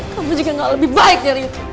kamu juga enggak lebih baik ya ria